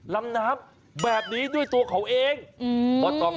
ลำนับแบบนี้ด้วยตัวเขาเอง